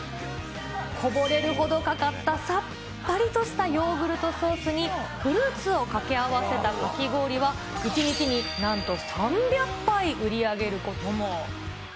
こぼれるほどかかったさっぱりとしたヨーグルトソースに、フルーツをかけ合わせたかき氷は、１日になんと３００杯売り上げることも。